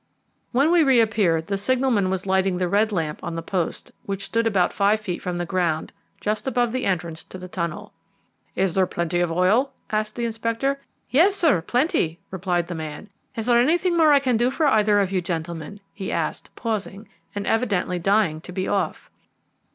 When we re appeared the signalman was lighting the red lamp on the post, which stood about five feet from the ground just above the entrance to the tunnel. "Is there plenty of oil?" asked the Inspector. "Yes, sir, plenty," replied the man. "Is there anything more I can do for either of you gentlemen?" he asked, pausing, and evidently dying to be off.